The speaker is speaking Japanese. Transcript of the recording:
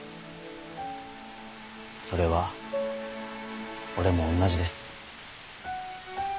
それは俺もおんなじです。